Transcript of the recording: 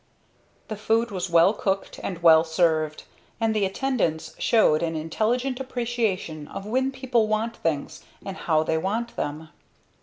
The food was well cooked and well served, and the attendance showed an intelligent appreciation of when people want things and how they want them.